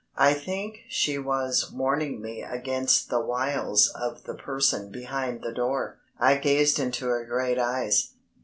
I think she was warning me against the wiles of the person behind the door. I gazed into her great eyes.